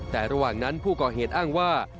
แต่ระหว่างนั้นผู้ก่อเหตุอ้างว่า